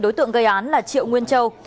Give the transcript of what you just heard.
đối tượng gây án là triệu nguyên châu